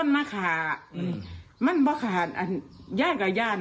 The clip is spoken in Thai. มันขามันก็เลยลุกขึ้น